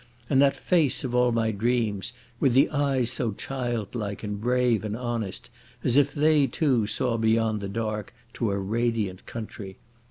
And that face of all my dreams, with the eyes so childlike and brave and honest, as if they, too, saw beyond the dark to a radiant country.